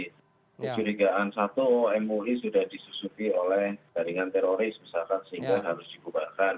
kecurigaan satu mui sudah disusuki oleh jaringan teroris misalkan sehingga harus dibubarkan